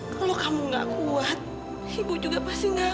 kalau kamu nggak kuat ibu juga pasti nggak kuat